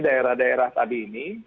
daerah daerah tadi ini